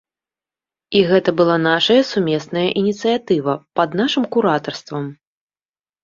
І гэта была нашая сумесная ініцыятыва, пад нашым куратарствам.